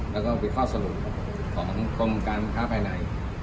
แล้วก็มีข้อสรุปของกรมการค้าภายใน